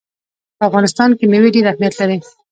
په افغانستان کې مېوې ډېر اهمیت لري.